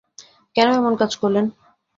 কেন এমন কাজ করলেন?